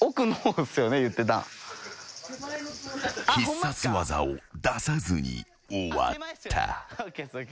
［必殺技を出さずに終わった］